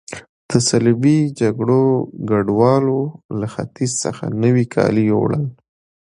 د صلیبي جګړو ګډوالو له ختیځ څخه نوي کالي یوړل.